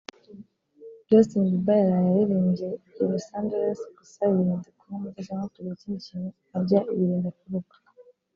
Justin Bieber yaraye aririmbiye i Los Angeless gusa yirinze kunywa amata cyangwa kugira ikindi kintu arya yirinda kuruka